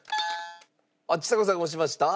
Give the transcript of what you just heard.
あっちさ子さんが押しました。